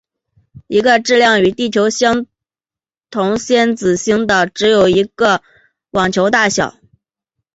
一个质量与地球相同先子星的只有一颗网球大小。